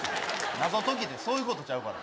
謎解きってそういうことちゃうから。